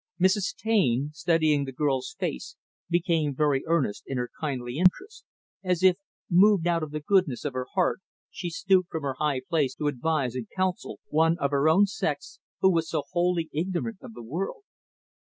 Mrs. Taine, studying the girl's face, became very earnest in her kindly interest; as if, moved out of the goodness of her heart, she stooped from her high place to advise and counsel one of her own sex, who was so wholly ignorant of the world.